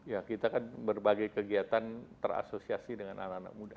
ya kita kan berbagai kegiatan terasosiasi dengan anak anak muda